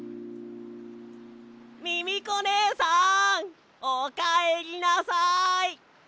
ミミコねえさんおかえりなさい！